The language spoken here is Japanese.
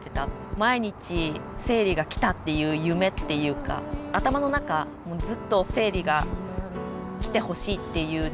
毎日生理が来たっていう夢っていうか頭の中ずっと生理が来てほしいっていう願いが強かった。